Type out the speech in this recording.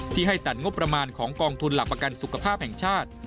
ให้ตัดงบประมาณของกองทุนหลักประกันสุขภาพแห่งชาติ